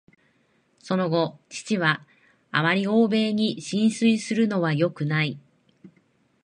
その後、父は「あまり欧米に心酔するのはよくない」